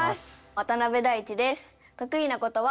渡辺大馳です。